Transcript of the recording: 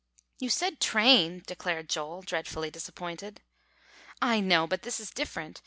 "You said train," declared Joel, dreadfully disappointed. "I know; but this is different.